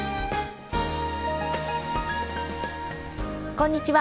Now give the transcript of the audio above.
こんにちは。